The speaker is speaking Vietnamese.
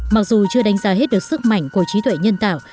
mặc dù chưa đánh giá hết được sức mạnh của trí tuệ nhân tạo